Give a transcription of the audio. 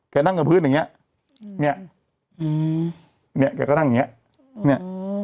แกนั่งกับพื้นอย่างนี้แกก็นั่งอย่างนี้